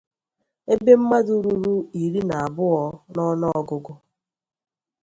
ebe mmadụ ruru iri na abụọ n'ọnụọgụgụ